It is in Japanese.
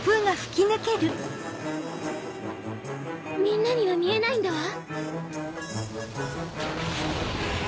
みんなには見えないんだわ。